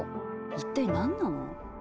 一体何なの？」。